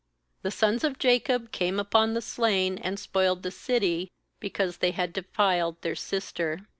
27The sons of Jacob came upon the slain, and spoiled the city, because they had defiled their sister.